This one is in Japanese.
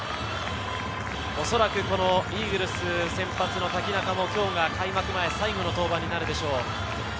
おそらくイーグルス先発の瀧中も今日が開幕前、最後の登板になるでしょう。